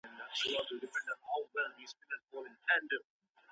د پرمختګ لاره یوازي پوهو خلګو ته نه سي سپارل کېدلای.